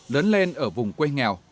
đến lên ở vùng quê nghèo